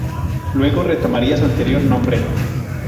Luego retomaría su anterior nombre.